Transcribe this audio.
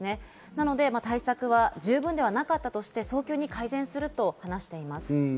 なので対策は十分ではなかったとして早急に改善すると話しています。